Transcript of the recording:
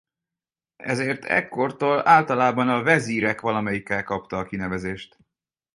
Ezért ekkortól általában a vezírek valamelyike kapta a kinevezést.